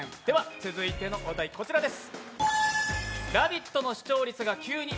続いてのお題、こちらです。